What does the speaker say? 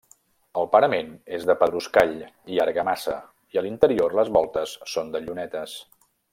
El parament és de pedruscall i argamassa, i a l'interior les voltes són de llunetes.